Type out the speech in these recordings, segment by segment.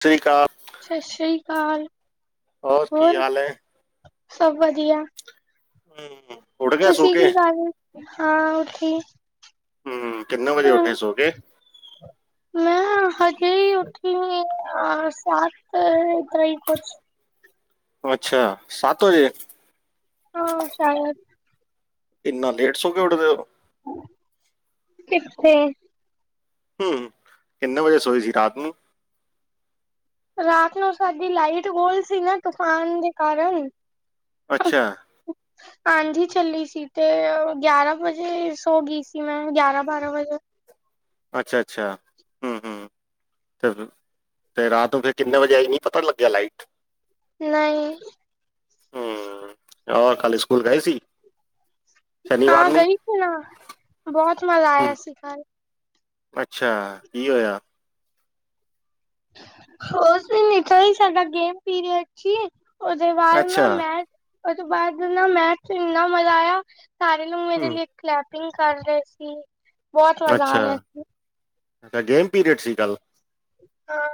[unintelligible] ਕਾਲ ਸਤਿ ਸ਼੍ਰੀ ਅਕਾਲ। ਹੋਰ ਕੀ ਹਾਲ ਐ? ਸਭ ਵਧੀਆਂ। ਹਮ ਉੱਠ ਗਏ ਸੋ ਤੁਸੀਂ ਕੇ ਕੀ ਕਰ ਰੇ ਹਾਂ ਉੱਥੇ ਹੂੰ ਕਿੰਨੇ ਵਜੇ ਉੱਠੇ ਸੋ ਕੇ? ਮੈਂ ਹਾਂ ਹਜੇ ਈ ਉਠੀ ਆ ਸੱਤ ਤੇ ਈ ਕੁਛ ਅੱਛਾ ਸੱਤ ਵਜੇ ਹਾਂ ਸ਼ਾਯਦ। ਇੰਨਾ ਲੇਟ ਸੌ ਕੇ ਉਡਦੇ ਓ ਕਿੱਥੇ ਹੂੰ ਕਿੰਨੇ ਵਜੇ ਸੋਏ ਸੀ ਰਾਤ ਨੂੰ? ਰਾਤ ਨੂੰ ਸਾਡੀ ਲਾਈਟ ਵੋਲ ਸੀ ਨਾ ਤੂਫਾਨ ਦੇ ਕਾਰਨ। ਅੱਛਾ। ਆਂਧੀ ਚੱਲੀ ਸੀ ਤੇ ਗਿਆਰਾਂ ਵਜੇ ਸੋ ਗਈ ਸੀ ਮੈਂ ਗਿਆਰਾਂ- ਬਾਰਾਂ ਵਜੇ। ਅੱਛਾ-ਅੱਛਾ, ਹੂੰ-ਹੂੰ। ਚਲੋ ਤੇ ਰਾਤ ਨੂੰ ਫਿਰ ਕਿੰਨੇ ਵਜੇ ਆਈ ਸੀ ਪਤਾ ਨੀ ਲੱਗਿਆ ਲਾਈਟ ਨਈ। ਹੂੰ ਹੋਰ ਕੱਲ ਸਕੂਲ ਗਏ ਸੀ? ਸ਼ਨੀਵਾਰ ਹਾਂ ਨੂੰ ਗਈ ਸੀ ਨਾ ਬੋਹਤ ਮਜ਼ਾ ਆਇਆ ਹਮ ਸੀ ਕੱਲ ਅੱਛਾ ਕੀ ਹੋਯਾ? ਉਸ ਦਿਨ ਇਥੋਂ ਹੀ ਸਾਡਾ ਗੇਮ ਪੀਰੀਅਡ ਸੀ ਓਦੇ ਬਾਦ ਅੱਛਾ ਨਾ ਮੈਂ ਓ ਤੋਂ ਬਾਦ ਨਾ ਮੈਥ ਚ ਇੰਨਾ ਮਜ਼ਾ ਆਇਆ ਸਾਰੇ ਨੂੰ ਮੇਰੇ ਹਮ ਲਈ ਕਲੈਪਿੰਗ ਕਰ ਰੇ ਸੀ ਬਹੁਤ ਮਜ਼ਾ ਅੱਛਾ ਆ ਰੇਆ ਸੀ। ਅੱਛਾ ਗੇਮ ਪੀਰੀਅਡ ਸੀ ਕੱਲ ਹਾਂ।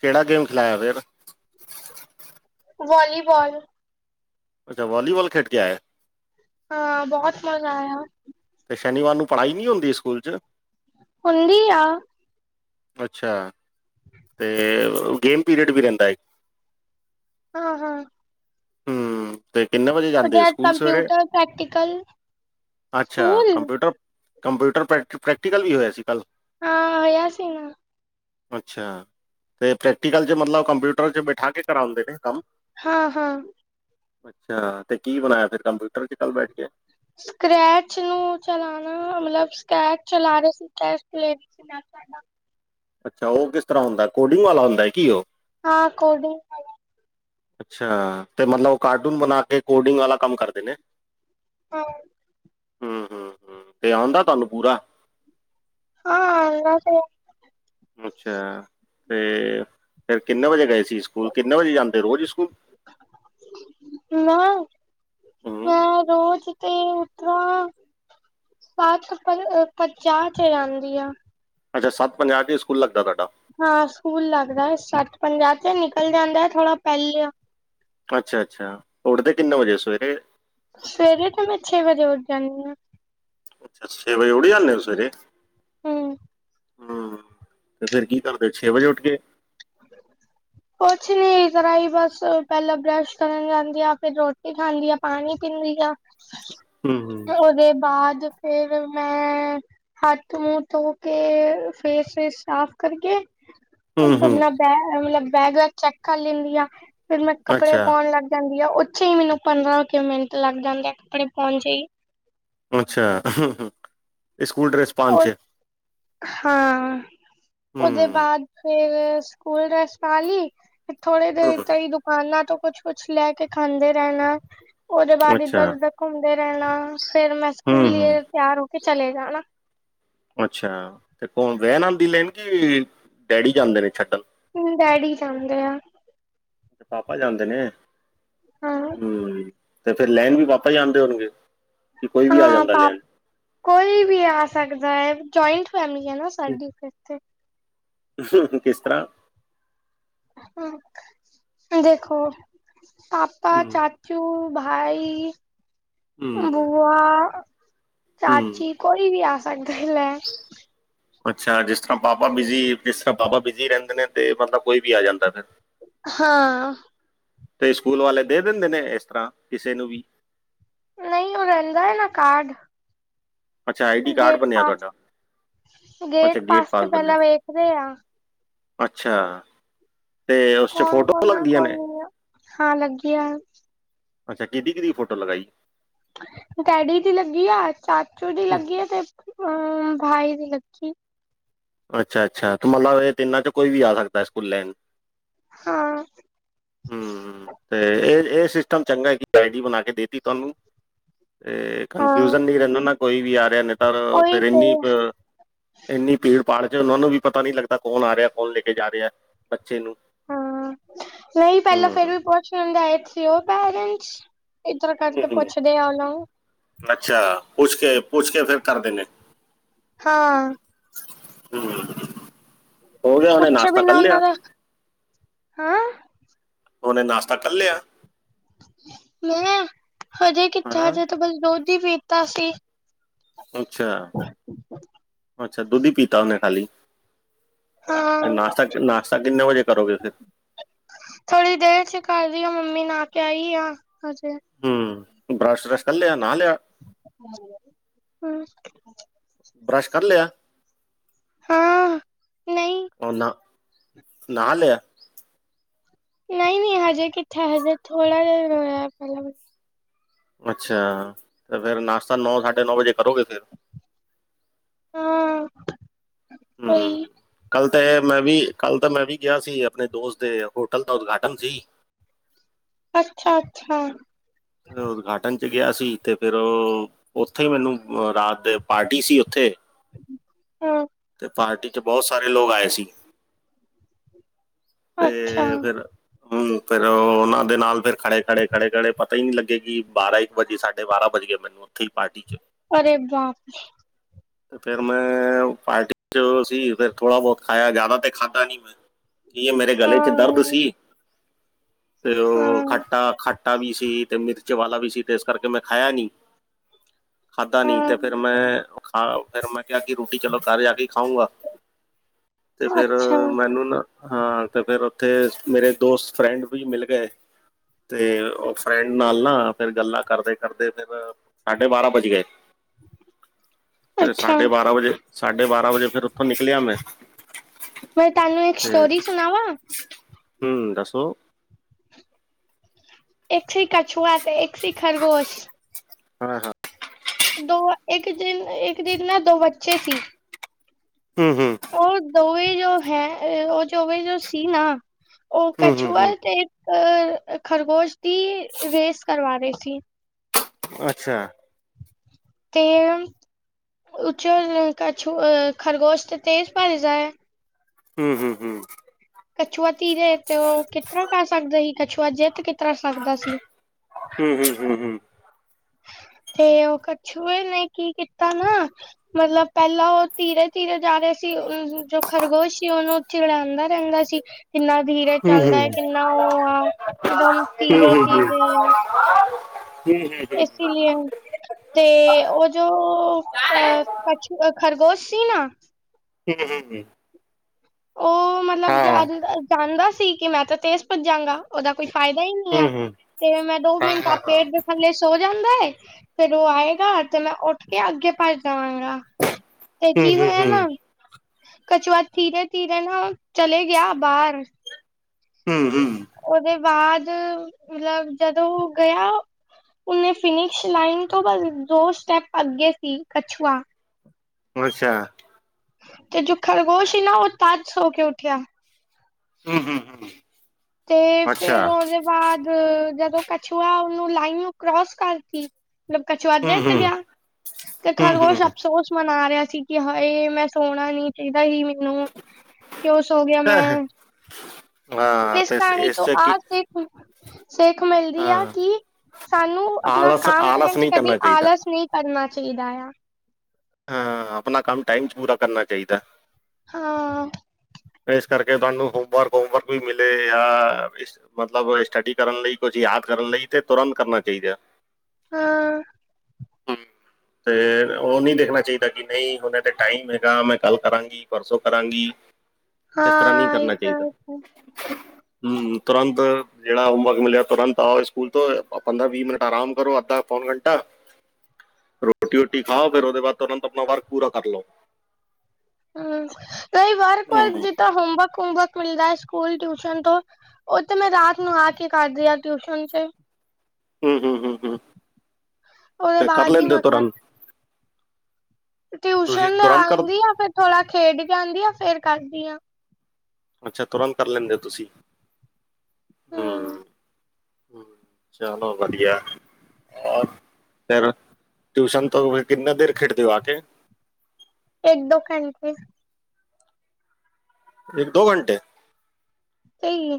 ਕੇੜਾ ਗੇਮ ਖਿਲਾਯਾ ਫੇਰ ਵੋਲੀਬੋਲ ਅੱਛਾ ਵੋਲੀਬੋਲ ਖੇਡ ਕੇ ਆਯਾ। ਹਾਂ ਬੋਹਤ ਮਜ਼ਾ ਆਯਾ। ਤੇ ਸ਼ਨੀਵਾਰ ਨੂੰ ਪੜ੍ਹਾਈ ਨਈ ਹੁੰਦੀ ਸਕੂਲ ਚ ਹੁੰਦੀ ਆ। ਅੱਛਾ ਤੇ ਗੇਮ ਪੀਰੀਅਡ ਵੀ ਰੈੰਦਾ ਇ ਹਾਂ-ਹਾਂ। ਹੂੰ ਤੇ ਕਿੰਨੇ ਵਜੇ ਉਹਦੇ ਜਾਂਦੇ ਬਾਅਦ ਸਕੂਲ ਸਵੇਰੇ? ਕੰਪਿਊਟਰ ਪ੍ਰੈਕਟੀਕਲ ਅੱਛਾ ਸਕੂਲ ਕੰਪਿਊਟਰ ਕੰਪਿਊਟਰ ਪ੍ਰੈਕ ਪ੍ਰੈਕਟੀਕਲ ਵੀ ਹੋਇਆ ਸੀ ਕੱਲ੍ਹ ਹਾਂ ਹੋਯਾ ਸੀ। ਅੱਛਾ ਤੇ ਪ੍ਰੈਕਟੀਕਲ ਚ ਮਤਲਬ ਕੰਪਿਊਟਰ ਚ ਬੈਠਾ ਕੇ ਕਰਾਂਦੇ ਨੇ ਕੰਮ ਹਾਂ-ਹਾਂ। ਅੱਛਾ ਤੇ ਕੀ ਬਣਾ਼ਯਾ ਫੇਿਰ ਕੰਪਿਊਟਰ ਚ ਕੱਲ ਬੈਠ ਕੇ ਸਕ੍ਰੈਚ ਨੂੰ ਚਲਾਣਾ ਮਤਲਬ ਸਕੈਚ ਚਲਾ ਰਹੇ ਸੀ ਸਕੈਚ ਪਲੇਟ [inaudible] ਅੱਛਾ ਓ ਕਿਸ ਤਰ੍ਹਾਂ ਹੁੰਦਾ ਕੋਡਿੰਗ ਵਾਲਾ ਹੁੰਦਾ ਕੀ ਓ ਹਾਂ ਕੋਡੀੰਗ ਵਾਲਾ। ਅੱਛਾ ਤੇ ਮਤਲਬ ਕਾਰਟੂਨ ਬਣਾ ਕੇ ਕੋਡਿੰਗ ਵਾਲਾ ਕੰਮ ਕਰਦੇ ਨੇ ਹਾਂ। ਹੂੰ-ਹੂੰ-ਹੂੰ ਤੇ ਆਉਂਦਾ ਤਾਨੂੰ ਪੂਰਾ ਹਾਂ ਆਂਦਾ ਤੇ ਐ। ਅੱਛਾ ਤੇ ਫਿਰ ਕਿੰਨੇ ਵਜੇ ਗਏ ਸੀ ਸਕੂਲ ਕਿੰਨੇ ਵਜੇ ਜਾਂਦੇ ਰੋਜ਼ ਸਕੂਲ? ਨਾ ਹੂੰ ਹਾਂ ਰੋਜ਼ ਤੇ ਉਧਰਾ [unintelligible] ਇਕ ਕੱਪ ਚਾਹ ਚ ਜਾਂਦੀ ਆ। ਅੱਛਾ ਸੱਤ ਪੰਜਾਹ ਤੇ ਸਕੂਲ ਲੱਗਦਾ ਤੁਹਾਡਾ। ਹਾਂ ਸਕੂਲ ਲੱਗਦਾ ਸੱਤ ਪੰਜਾਹ ਤੇ ਨਿਕਲ ਜਾਂਦਾ ਹੈ ਥੋੜਾ ਪਹਿਲੇ ਆ। ਅੱਛਾ-ਅੱਛਾ, ਉੱਠਦੇ ਕਿੰਨੇ ਵਜੇ ਸਵੇਰੇ? ਸਵੇਰੇ ਤੇ ਮੈਂ ਛੇ ਵਜੇ ਉਠ ਜਾਨੀਆਂ। ਅੱਛਾ ਛੇ ਵਜੇ ਉਠ ਜਾਂਦੇ ਹੋ ਸਵੇਰੇ। ਹੂੰ ਹੂੰ ਤੇ ਫੇਰ ਕੀ ਕਰਦੇ ਛੇ ਵਜੇ ਉੱਠ ਕੇ। ਕੁਛ ਨੀ ਇਸਰ੍ਹਾਂ ਹੀ ਬਸ ਪਹਿਲਾਂ ਬਰੱਸ਼ ਕਰਨ ਜਾਂਦੀ ਆ ਫੇਰ ਰੋਟੀ ਖਾਂਦੀ ਆ ਪਾਣੀ ਪੀਂਦੀ ਆ ਹੂੰ ਹੂੰ ਉਹਦੇ ਬਾਦ ਫੇਰ ਮੈਂ ਹੱਥ ਮੂੰਹ ਧੋ ਕੇ ਫੇਸ ਵੇਸ ਸਾਫ਼ ਕਰਕੇ ਹੂੰ ਹੂੰ [unintelligible] ਨਾ ਬੈਗ ਮਤਲਬ ਬੈਗ ਚੈੱਕ ਕਰ ਲੈਂਦੀ ਆ। ਫਿਰ ਮੈਂ ਕੱਪੜੇ ਅੱਛਾ ਪਾਉਣ ਲੱਗ ਜਾਂਦੀ ਆ ਉਥੇ ਹੀ ਮੈਨੂੰ ਪੰਦਰਾ ਮਿੰਟ ਲੱਗ ਜਾਂਦੇ ਹੈ ਕੱਪੜੇ ਪਾਉੱਣ ਚ ਹੀ। ਅੱਛਾ, ਸਕੂਲ ਡ੍ਰੇਸ ਉਹ ਹਾਂ ਹੂੰ ਉਹਦੇ ਬਾਦ ਫੇਰ ਸਕੂਲ ਡੈ਼੍ਸ ਪਾ ਲਈ ਥੋੜੇ ਦੇਰ ਹੂੰ ਤਈ ਦੁ ਕਨਾ ਤੋਂ ਕੁਛ-ਕੁਛ ਲੈ ਕੇ ਖਾਂਦੇ ਰਹਿਣਾ। ਉਹਦੇ ਬਾਦ ਅੱਛਾ ਇੱਧਰ ਉਧਰ ਘੁੰਮਦੇ ਰਹਿਣਾ ਫੇਰ ਮੈਂ ਹੂੰ ਸਕੂਲ ਹੂੰ ਤਿਆਰ ਹੋ ਕੇ ਚਲੇ ਜਾਣਾ। ਅੱਛਾ ਤੇ ਕੋਣ ਵੈਣ ਆਂਦੀ ਲੈਣ ਕਿ ਡੈਡੀ ਜਾਂਦੇ ਨੇ ਛੱਡਣ। ਡੈਡੀ ਜਾਂਦੇ ਆ। ਪਾਪਾ ਜਾਂਦੇ ਨੇ ਹਾਂ ਹਮ ਤੇ ਫੇਰ ਲੈਣ ਵੀ ਪਾਪਾ ਜਾਂਣਦੇ ਹੋਣਗੇ। ਕਿ ਕੋਈ ਵੀ ਆ ਹਾਂ ਜਾਂਦਾ ਪਾ ਲੈਣ ਕੋਈ ਵੀ ਆ ਸਕਦਾ ਹੈ ਜਆਇੰਟ ਫੈਮਲੀ ਹੈ ਨਾ ਸਾਡੀ ਇੱਥੇ। ਹੂੰ ਕਿਸ ਤਰ੍ਹਾਂ ਹੂਓਂ ਦੇਖੋ ਪਾਪਾ ਹੂੰ ਚਾ ਚੂ ਭਾਈ ਹੂੰ ਬੂਆ, ਹੂੰ ਚਾਚੀ, ਕੋਈ ਵੀ ਆ ਸਕਦਾ ਲੈਣ। ਅੱਛਾ ਜਿਸ ਤਰ੍ਹਾਂ ਪਾਪਾ ਬਿਜੀ ਜਿਸ ਤਰ੍ਹਾਂ ਪਾਪਾ ਬਿਜੀ ਰਹਿੰਦੇ ਨੇ ਤੇ ਮਤਲਬ ਕੋਈ ਵੀ ਆ ਜਾਂਦਾ ਫੇਰ। ਹਾਂ ਤੇ ਸਕੂਲ ਵਾਲੇ ਦੇ ਦਿੰਦੇ ਨੇ ਇਸ ਤਰ੍ਹਾਂ ਕਿਸੇ ਨੂੰ ਵੀ। ਨਹੀਂ ਉਹ ਰਹਿੰਦਾ ਹੈ ਨਾ ਕਾਰਡ। ਅੱਛਾ ਆਈ ਡੀ ਕਾਰਡ ਗੇਟ ਬਣਿਆ ਪਾਸ ਤੁਹਾਡਾ ਅੱਛਾ ਗੇਟ ਪਾਸ ਤੇ ਬਣਿਆ। ਪਹਿਲਾਂ ਵੇਖਦੇ ਆ ਅੱਛਾ ਤੇ ਉਸ ਚ ਕੌਣ ਫੋਟੋ ਕੌਣ ਆ ਲੱਗਦੀਆਂ ਕੌਣ ਨੇ? ਨਹੀਂ ਆ ਹਾਂ ਲੱਗਦੀਆ ਅੱਛਾ ਕਿਹਦੀ-ਕਿਹਦੀ ਫੋਟੋ ਲਗਾਈ। ਡੈਡੀ ਦੀ ਲੱਗੀ ਆ, ਚਾਚੂ ਦੀ ਹਮ, ਲੱਗੀ ਆ ਤੇ ਭਾਈ ਦੀ ਲੱਗੀ। ਅੱਛਾ-ਅੱਛਾ ਤੇ ਮਤਲਬ ਇਹ ਤਿੰਨਾਂ ਚ ਕੋਈ ਵੀ ਆ ਸਕਦਾ ਸਕੂਲ ਲੈਣ। ਹਾਂ ਹਮ ਤੇ ਇਹ-ਇਹ ਸਿਸਟਮ ਚੰਗਾ ਕਿ ਆਈ ਡੀ ਬਣਾ ਕੇ ਦੇ ਤੀ ਤੁਹਾਨੂੰ। ਤੇ ਹਾਂ ਕਨਫਿਊਜਨ ਨਹੀਂ ਰਹਿੰਦਾ ਨਾ ਕੋਈ ਵੀ ਆ ਰਿਹਾ ਨਹੀਂ ਤਾਂ ਉਹੀ ਫੇਰ ਤੇ ਇੰਨੀ ਬ ਇੰਨੀ ਭੀੜ ਭਾੜ ਚ ਉਹਨਾਂ ਨੂੰ ਵੀ ਪਤਾ ਨੀ ਲੱਗਦਾ, ਕੌਣ ਆ ਰਿਹਾ ਕੌਣ ਲੈ ਕੇ ਜਾ ਰਿਹਾ ਬੱਚੇ ਨੂੰ। ਹਾਂ ਨਹੀਂ ਪਹਿਲਾਂ ਫੇਰ ਵੀ ਪੁੱਛ ਲੈਂਦਾ ਸੀ ਉਹ ਪੇਰੈਂਟਸ। ਇਸ ਤਰਾਂ ਕਰਕੇ ਪੁੱਛਦੇ ਆ ਉਹਨਾਂ। ਅੱਛਾ, ਪੁੱਛ ਕੇ ਪੁੱਛ ਕੇ ਫੇਰ ਕਰ ਦੇਨੇਆਂ। ਹਾਂ। ਹਮ, ਹੋ ਗਿਆ ਉਹਣੇੇ ਪੁੱਛੇ ਨਾਸ਼ਤਾ ਕਰ ਬਿਨਾਂ ਉਹਨਾਂ ਲਿਆ। ਦਾ ਹਾਂ। ਉਹਨੇ ਨਾਸ਼ਤਾ ਕਰ ਲਿਆ। ਮੈਂ, ਹਜੇ ਕਿੱਥੇ ਹਜੇ ਤੇ ਬਸ ਦੁਧ ਈ ਪੀਤਾ ਸੀ। ਅੱਛਾ, ਅੱਛਾ ਦੁੱਧ ਹੀ ਪੀਤਾ ਉਹਨੇ ਖਾਲੀ ਹਾਂ ਨਾਸ਼ਤਾ-ਨਾਸ਼ਤਾ ਕਿੰਨੇ ਵਜੇ ਕਰੋਗੇ ਫਿਰ? ਥੋੜੀ ਦੇਰ 'ਚ ਕਰ ਰਹੀ ਹਾ, ਮੰਮੀ ਨਾ ਕੇ ਆਈ ਆ ਹਜੇ। ਹਮ, ਬਰਸ਼-ਵਰਸ਼ ਕਰਲਿਆ ਨਾਹ ਲਿਆ? ਹਮ ਬਰੱਸ਼ ਕਰ ਲਿਆ? ਹਾਂ ਨਹੀਂ ਉਹ ਨਾ ਨਾਹ ਲਿਆ? ਨਹੀਂ-ਨਹੀਂ, ਹਜੇ ਕਿੱਥੇ ਹਜੇ ਥੋੜਾ ਜਿਆ ਹੋਇਆ ਪਹਿਲਾਂ ਅੱਛਾ, ਤੇ ਫਿਰ ਨਾਸ਼ਤਾ ਨੌਂ ਸਾਢੇ ਨੌਂ ਵਜੇ ਕਰੋਗੇ ਫਿਰ? ਹਮ ਹਮ ਕੱਲ ਤਾਂ ਮੈਂ ਵੀ ਕੱਲ੍ਹ ਤਾਂ ਮੈਂ ਵੀ ਗਿਆ ਸੀ। ਆਪਣੇ ਦੋਸਤ ਦੇ ਹੋਟਲ ਦਾ ਉਦਘਾਟਨ ਸੀ। ਅੱਛਾ-ਅੱਛਾ। ਉਦਘਾਟਨ 'ਚ ਗਿਆ ਸੀ ਤੇ ਫਿਰ ਉਹ ਉੱਥੇ ਮੈਨੂੰ ਰਾਤ ਦੇ ਪਾਰਟੀ ਸੀ। ਉੱਥੇ- ਹਾਂ ਤੇ ਪਾਰਟੀ ਚ ਬਹੁਤ ਸਾਰੇ ਲੋਕ ਆਏ ਸੀ। ਤੇ ਅੱਛਾ ਫਿਰ ਹਮ, ਫੇਰ ਉਹਨਾਂ ਦੇ ਨਾਲ ਫੇਰ ਖੜੇ ਖੜੇ ਖੜੇ ਖੜੇ ਪਤਾ ਹੀ ਨਹੀਂ ਲੱਗੇ ਕਿ ਬਾਰਾਂ ਇ ਵਜੇ ਸਾਢੇ ਬਾਰਾਂ ਵਜ ਗਏ ਮੈਨੂੰ ਉੱਥੇ ਹੀ ਪਾਰਟੀ ' ਚ ਅਰੇ ਬਾਪ ਰੇ। ਤੇ ਫੈਰ ਮੈਂ ਪਾਰਟੀ ਚ ਸੀ, ਫਿਰ ਥੋੜ੍ਹਾ ਬਹੁਤ ਖਾਇਆ ਜ਼ਿਆਦਾ ਤੇ ਖਾਧਾ ਨੀ ਮੈਂ ਕੀ ਇਹ ਮੇਰੇ ਹਾਂ ਗਲੇ ਚ ਦਰਦ ਸੀ। ਤੇ ਉਹ ਹਾਂ ਖੱਟਾ ਖੱਟਾ ਵੀ ਸੀ ਤੇ ਮਿਰਚ ਵਾਲਾ ਵੀ ਸੀ ਤੇ ਇਸ ਕਰਕੇ ਮੈਂ ਖਾਇਆ ਨਹੀਂ ਖਾਧਾ ਨੀ ਹਾਂ ਤੇ ਫੇਰ ਮੈਂ ਖਾ ਫਿਰ ਮੈਂ ਕਿਹਾ ਕਿ ਰੋਟੀ ਚਲੋ ਘਰ ਜਾ ਕੇ ਖਾਊਂਗਾ ਤੇ ਫਿਰ ਅੱਛਾ ਮੈਨੂੰ ਨਾ ਹਾਂ ਤੇ ਫੇਰ ਉੱਥੇ ਮੇਰੇ ਦੋਸਤ ਫਰੈਂਡ ਵੀ ਮਿਲ ਗਏ। ਤੇ ਫਰੈਂਡ ਨਾਲ ਨਾ ਫੇਰ ਗੱਲਾਂ ਕਰਦੇ ਕਰਦੇ ਫਿਰ ਸਾਢੇ ਬਾਰਾਂ ਵਜੇ ਗਏ। ਤੇ ਅੱਛਾ ਸਾਡੇ ਬਾਰਾਂ ਵਜੇ ਸਾਡੇ ਬਾਰਾਂ ਵਜੇ ਫਿਰ ਉੱਥੋਂ ਨਿਕਲਿਆ ਮੈਂ। ਮੈਂ ਤੁਹਾਨੂੰ ਇੱਕ ਸਟੋਰੀ ਸੁਣਾਵਾਂ? ਹਮ ਦੱਸੋ? ਇੱਕ ਸੀ ਕਛੂਆ ਤੇ ਇੱਕ ਸੀ ਖਰਗੋਸ਼। ਹਾਂ-ਹਾਂ। ਦੋ ਇੱਕ ਦਿਨ ਇੱਕ ਦਿਨ ਨਾ ਦੋ ਬੱਚੇ ਸੀ। ਹੂੰ-ਹੂੰ ਓ ਦੋਵੇ ਜੋ ਹੈ ਉਹ ਜੋਵੇ ਜੋ ਸੀ ਨਾ ਓ ਹੂੰ ਹੂੰ ਕਛੂਆ ਹੂੰ ਤੇ ਅ ਖਰਗੋਸ਼ ਦੀ ਰੇਸ ਕਰਵਾ ਰਏ ਸੀ। ਅੱਛਾ ਤੇ ਓ ਕਛੁ ਖਰਗੋਸ਼ ਤੇ ਤੇਜ ਭੱਜਦਾ ਏ। ਹੂੰ-ਹੂੰ-ਹੂੰ ਕੱਛੂਆ ਧੀਰੇ ਤੇ ਓ ਕਿਸ ਤਰ੍ਹਾਂ ਕਰ ਸਕਦਾ ਸੀ ਕੱਛੂਆ ਜਿੱਤ ਕਿਸ ਤਰ੍ਹਾਂ ਸਕਦਾ ਸੀ। ਹੂੰ-ਹੂੰ-ਹੂੰ-ਹੂੰ ਤੇ ਓ ਕਛੂਏ ਨੇ ਕੀ ਕੀਤਾ ਨਾ। ਮਤਲਬ ਪੈਲਾਂ ਓ ਧੀਰੇ-ਧੀਰੇ ਜਾ ਰਿਆ ਸੀ ਜੋ ਖਰਗੋਸ਼ ਸੀ ਉਹਨੂੰ ਚਿੜਾਂਦਾ ਰੈਂਦਾ ਸੀ। ਕਿੰਨਾ ਧੀਰੇ ਹੂੰ ਹੂੰ ਹੂੰ ਚੱਲਦਾ ਐ ਕਿੰਨਾ ਓ ਆ ਇੱਕਦਮ ਹੂੰ ਹੂੰ ਧੀਰੇ-ਧੀਰੇ [inaudible] [inaudible] ਤੇ ਓ ਜੋ ਅ ਕਛੁ ਖਰਗੋਸ਼ ਸੀ ਨਾ [inaudible] ਓ ਮਤਲਬ ਹਾਂ ਜ ਜਾਣਦਾ ਸੀ ਕਿ ਮੈਂ ਤਾਂ ਤੇਜ਼ ਭੱਜਾਂਗਾ। ਉਹਦਾ ਕੋਈ ਫਾਇਦਾ ਹੀ ਨਈ ਆ ਹੂੰ ਹੂੰ ਤੇ ਮੈਂ ਦੋ ਹਾਂ ਮਿੰਟ ਆ ਹਾਂ ਪੇ ਥੱਲੇ ਸੋ ਜਾਂਦਾ ਐ ਫਿਰ ਉਹ ਆਏਗਾ ਤੇ ਮੈਂ ਉੱਠ ਕੇ ਅੱਗੇ ਭੱਜ ਜਾਵਾਂਗਾ। ਤੇ ਹੂੰ ਕੀ ਹੂੰ ਹੋਇਆ ਹੂੰ ਨਾ ਕਛੁਆ ਧੀਰੇ-ਧੀਰੇ ਨਾ ਚਲੇ ਗਿਆ ਬਾਰ ਹੂੰ-ਹੂੰ ਉਹਦੇ ਬਾਦ ਅ ਮਤਲਬ ਜਦੋਂ ਓ ਗਿਆ। ਉਹਨੇ ਫਿਨਿਸ਼ ਲਾਈਨ ਤੋਂ ਬ ਦੋ ਸਟੈਪ ਅੱਗੇ ਸੀ ਕਛੂਆ ਅੱਛਾ ਤੇ ਜੋ ਖਰਗੋਸ਼ ਸੀ ਨਾ ਓ ਤਜ ਸੋ ਕੇ ਉੱਠਿਆ। ਹੂੰ-ਹੂੰ-ਹੂੰ ਤੇ ਫਿਰ ਉਹਦੇ ਬਾਦ ਜਦੋਂ ਕਛੂਆ ਉਹਨੂੰ ਲਾਈਨ ਨੂੰ ਕਰੋਸ ਕਰ ਤੀ ਮਤਲਬ ਕਛੂਆ ਹੂੰ ਜਿੱਤ ਹੂੰ ਗਿਆ ਤੇ ਖਰਗੋਸ਼ ਹੂੰ-ਹੂੰ, ਅਫਸੋਸ ਮਨਾ ਰਿਆ ਸੀ ਕਿ ਹਾਏ ਮੈਂ ਸੋਣਾ ਨੀ ਚਾਹੀਦਾ ਈ ਮੈਨੂੰ ਕਿਉਂ ਸੋ ਗਿਆ ਮੈਂ ਹਾਂ ਇਸ ਤੇ ਕਹਾਣੀ ਇਸ ਤੋਂ ਚ ਆ ਕੀ ਸਿਖ ਸਿੱਖ ਮਿਲਦੀ ਹਾਂ ਆ ਕਿ ਸਾਨੂੰ ਆਪਣਾ ਆਲਸ ਕੰਮ ਆਲਸ ਕਰਨ 'ਚ ਨਹੀਂ ਕਦੀ ਕਰਨਾ ਚਾਹੀਦਾ ਆਲਸ ਨਹੀਂ ਕਰਨਾ ਚਾਈਦਾ ਆ। ਹਾਂ ਆਪਣਾ ਕੰਮ ਟਾਈਮ 'ਚ ਪੂਰਾ ਕਰਨਾ ਚਾਹੀਦਾ। ਹਾਂ। ਇਸ ਕਰਕੇ ਤੁਹਾਨੂੰ ਹੋਮਵਰਕ-ਹੋਮਵਰਕ ਵੀ ਮਿਲੇ ਆ ਇਸ ਮਤਲਬ ਸਟੱਡੀ ਕਰਨ ਲਈ ਕੁਝ ਯਾਦ ਕਰਨ ਲਈ ਤੇ ਤੁਰੰਤ ਕਰਨਾ ਚਾਹੀਦਾ ਐ। ਹਾਂ। ਹੂੰ ਤੇ ਓ ਨਈ ਦੇਖਣਾ ਚਾਹੀਦਾ ਕਿ ਨਈ ਹੁਣ ਤੇ ਟਾਈਮ ਹੈਗਾ ਮੈਂ ਕਲ ਕਰਾਂਗੀ। ਕੀ ਪਰਸੋਂ ਕਰਾਂਗੀ ਇਸ ਤਰ੍ਹਾਂ ਨਈ ਹਾਂ ਇਹ ਕਰਨਾ ਤਾਂ ਚਾਹੀਦਾ। ਹੂੰ, ਹੂੰ ਤੁਰੰਤ ਜੇੜਾ ਹੋਮਵਰਕ ਮਿਲਿਆ ਤੁਰੰਤ ਆਓ ਸਕੂਲ ਤੋਂ ਪੰਦਰਾਂ ਵੀਹ ਮਿੰਟ ਆਰਾਮ ਕਰੋ ਅੱਧਾ ਪੌਣ ਘੰਟਾ ਰੋਟੀ ਰੁਟੀ ਖਾਓ ਫਿਰ ਉਹਦੇ ਬਾਦ ਤੁਰੰਤ ਆਪਣਾ ਵਰਕ ਪੂਰਾ ਕਰ ਲਓ। ਹੂੰ ਕਈ ਹੂੰ ਵਰਕ-ਵਰਕ ਜਿੱਦਾਂ ਹੋਮਵਰਕ- ਹੋਮਵਰਕ ਮਿਲਦਾ ਸਕੂਲ ਟਿਊਸ਼ਨ ਤੋਂ ਉਹ ਤੇ ਮੈਂ ਰਾਤ ਨੂੰ ਆ ਕੇ ਕਰਦੀ ਆ ਟਿਊਸ਼ਨ ਚ। ਹਮ-ਹਮ, ਹਮ-ਹਮ ਉਹਦੇ ਤੇ ਕਰ ਬਾਅਦ ਹੀ ਲੈਂਦੇ ਓ ਮੈਂ ਕਰ ਤੁਰੰਤ? ਤੁਸੀਂ ਟਿਊਸ਼ਨ ਤੋਂ ਤੁਰੰਤ ਕਰ? ਆਉਂਦੀ ਆ ਫ਼ਿਰ ਥੋੜਾ ਖੇਡ ਕੇ ਆਉਂਦੀ ਆ, ਫੇਰ ਕਰਦੀ ਹਾਂ। ਅੱਛਾ ਤੁਰੰਤ ਕਰ ਲੈਂਦੇ ਹੋ ਤੁਸੀ ਹੂੰ। ਹਮ। ਹਮ ਚਲੋ ਵਧੀਆ। ਔਰ ਫਿਰ ਟਿਊਸ਼ਨ ਤੋਂ ਫ਼ੇਰ ਕਿੰਨੀ ਦੇਰ ਖਿਡਦੇ ਹੋ ਆ ਕੇ? ਇੱਕ ਦੋ ਘੰਟੇ। ਇੱਕ ਦੋ ਘੰਟੇ। ਸਹੀ ਹੈ।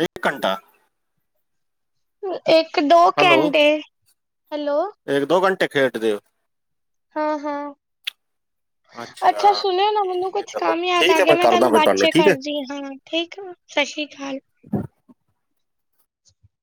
ਇੱਕ ਘੰਟਾ? ਇੱਕ-ਦੋ ਹੈਲੋ, ਘੰਟੇ, ਹੈਲੋੋ। ਇੱਕ ਦੋ ਘੰਟੇ ਖੇਡਦੇ ਓ। ਹਾਂ-ਹਾਂ। ਅੱਛਾ ਸੁਣਿਓ ਨਾ ਮੈਨੂੰ ਠੀਕ ਹੈ, ਕੁਛ ਚਲੋ ਕੰਮ ਯਾਦ ਆ ਠੀਕ ਹੈ, ਗਿਆ ਮੈਂ ਕਰਦਾ ਤੁਹਾਨੂੰ ਫਿਰ ਬਾਦ ਚ ਠੀਕ ਹੈ। ਕਰਦੀ ਹਾ ਫੋਨ। ਠੀਕ ਆ, ਸਸ ਸ੍ਰੀ ਕਾਲ।